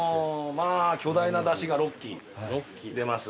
巨大な山車が６基出ます。